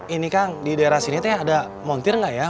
ini kang di daerah sini teh ada montir nggak ya